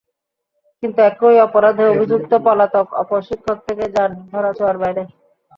কিন্তু একই অপরাধে অভিযুক্ত পলাতক অপর শিক্ষক থেকে যান ধরাছোঁয়ার বাইরে।